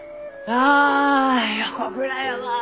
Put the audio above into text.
ああ横倉山！